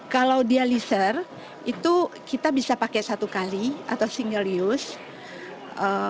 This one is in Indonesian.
kalau dialiser itu kita bisa pakai satu kali atau single use